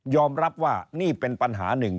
รับว่านี่เป็นปัญหาหนึ่ง